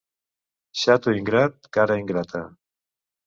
Xato ingrat, cara ingrata.